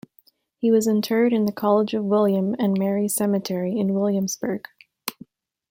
He was interred in the College of William and Mary Cemetery in Williamsburg.